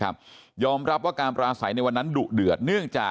ขอบคุณเลยนะฮะคุณแพทองธานิปรบมือขอบคุณเลยนะฮะ